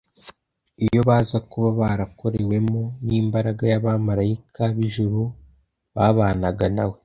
Iyo baza kuba barakorewemo n'imbaraga y'abamaraika b'ijuru babanaga na we